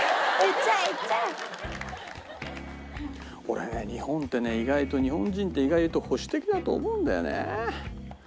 俺ね日本ってね意外と日本人って意外と保守的だと思うんだよね。